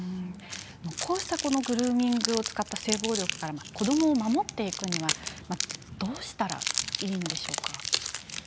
こうしたグルーミングを使った性暴力から子どもを守っていくにはどうしたらいいでしょうか。